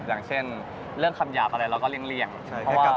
อย่างเช่นเรื่องคำหยาบอะไรเราก็เลี่ยงเพราะว่า